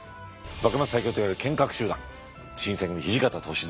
幕末最強といわれる剣客集団新選組土方歳三。